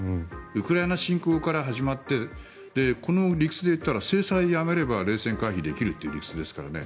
ウクライナ侵攻から始まってこの理屈で言ったら制裁をやめれば冷戦を回避できるという理屈ですからね。